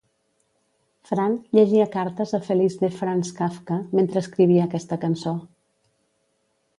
Fran llegia Cartes a Felice de Franz Kafka mentre escrivia aquesta cançó.